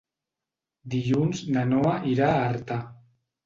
Dilluns na Noa irà a Artà.